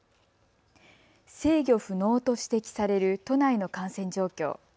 制御不能と指摘される都内の感染状況。